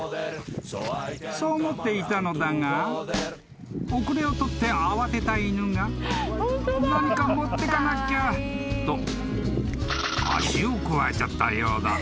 ［そう思っていたのだが後れを取って慌てた犬が何か持ってかなきゃと足をくわえちゃったようだ］